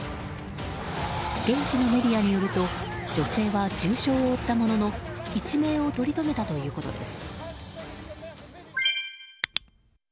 現地のメディアによると女性は重傷を負ったものの一命をとりとめたということです。